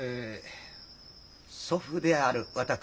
祖父である私